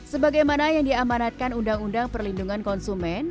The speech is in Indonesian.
sebagaimana yang diamanatkan undang undang perlindungan konsumen